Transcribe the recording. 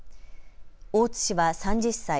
大津氏は３０歳。